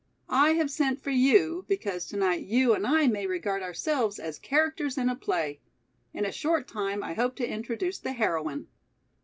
I have sent for you because tonight you and I may regard ourselves as characters in a play. In a short time I hope to introduce the heroine."